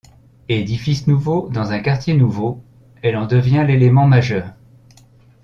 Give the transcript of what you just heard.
Édifice nouveau dans un quartier nouveau, elle en devient l'élément majeur.